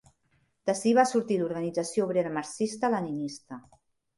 D'ací va sortir l'Organització Obrera Marxista-Leninista.